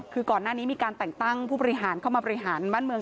คือก่อนหน้านี้มีการแต่งตั้งผู้บริหารเข้ามาบริหารบ้านเมือง